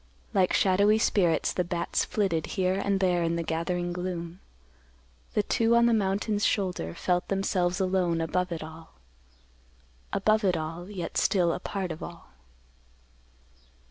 Like shadowy spirits, the bats flitted here and there in the gathering gloom. The two on the mountain's shoulder felt themselves alone above it all; above it all, yet still a part of all.